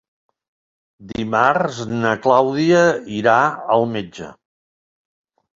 Dimarts na Clàudia irà al metge.